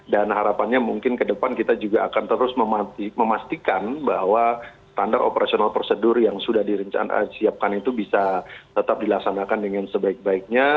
dan harapannya mungkin ke depan kita juga akan terus memastikan bahwa standar operasional prosedur yang sudah direncanakan siapkan itu bisa tetap dilaksanakan dengan sebaik baiknya